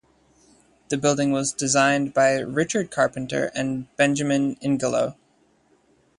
The building was designed by Richard Carpenter and Benjamin Ingelow.